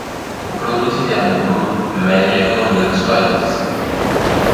O Produto Interno Bruto mede a economia dos países